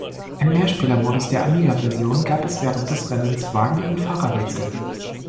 Im Mehrspielermodus der Amiga-Version gab es während des Rennens Wagen- und Fahrerwechsel.